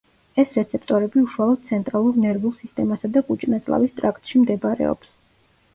ეს რეცეპტორები უშუალოდ ცენტრალურ ნერვულ სისტემასა და კუჭ-ნაწლავის ტრაქტში მდებარეობს.